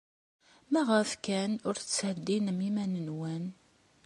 Maɣef kan ur tettheddinem iman-nwen?